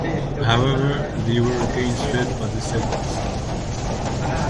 However, they were again swept by the Celtics.